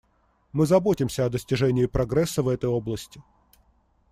Мы заботимся о достижении прогресса в этой области.